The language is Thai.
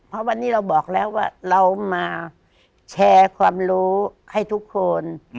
เพราะวันนี้เราบอกแล้วว่าเรามาแชร์ความรู้ให้ทุกคน